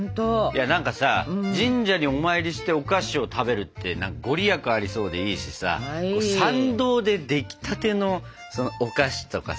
神社にお参りしてお菓子を食べるって何か御利益ありそうでいいしさ参道でできたてのお菓子とかさ食べるのいいよね。